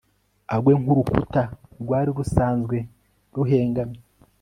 agwe nk'urukuta rwari rusanzwe ruhengamye